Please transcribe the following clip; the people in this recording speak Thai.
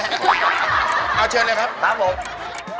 เอาเชิญเลยครับครับผม